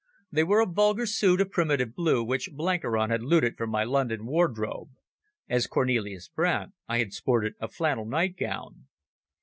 They were a vulgar suit of primitive blue, which Blenkiron had looted from my London wardrobe. As Cornelis Brandt I had sported a flannel nightgown.